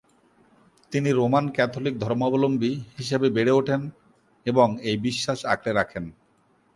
তিনি Roman Catholic ধর্মাবলম্বী হিসেবে বেড়ে ওঠেন এবং এই বিশ্বাস আঁকড়ে রাখেন।